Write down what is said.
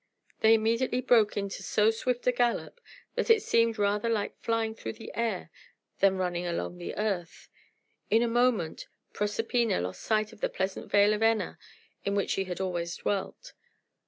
They immediately broke into so swift a gallop that it seemed rather like flying through the air than running along the earth. In a moment, Proserpina lost sight of the pleasant vale of Enna, in which she had always dwelt.